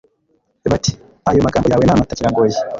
bati «ayo magambo yawe ni amatakirangoyi